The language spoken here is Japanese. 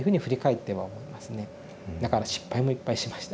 だから失敗もいっぱいしました。